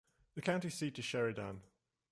The county seat is Sheridan.